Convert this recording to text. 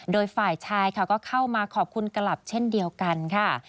โดยฝ่ายชายค่ะก็เข้ามาขอบคุณกลับเช่นเดียวกันค่ะ